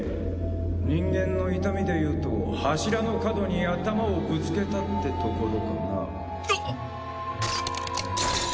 人間の痛みでいうと柱の角に頭をぶつけたってところかな？